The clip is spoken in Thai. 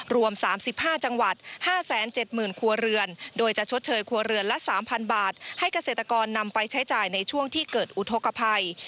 รวม๓๕จังหวัด๕๗๐๐ครัวเรือนโดยจะชดเชยครัวเรือนละ๓๐๐บาทให้เกษตรกรนำไปใช้จ่ายในช่วงที่เกิดอุทธกภัย